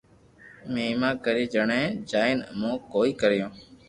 مھيما ڪري جڻي جائين امو ڪوئي ڪريو